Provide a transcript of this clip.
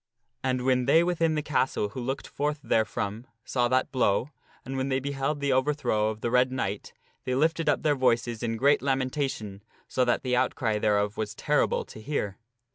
And when they within the castle who looked forth therefrom, saw that blow, and when they beheld the overthrow of the Red Knight, they lifted up their voices in great lamentation so that the outcry thereof was terrible to hear.